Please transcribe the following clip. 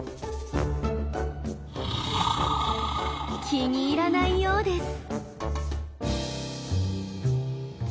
気に入らないようです。